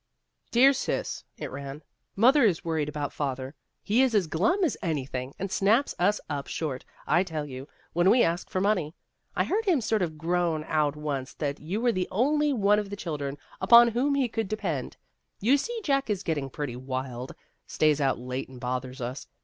" DEAR Sis," (it ran) :" Mother is worried about Father. He is as glum as anything, and snaps us up short, I tell you, when we ask for money. I heard him sort of groan out once that you were the only one of the children One of the Girls 283 upon whom he could depend. You see, Jack is getting pretty wild stays out late and bothers us.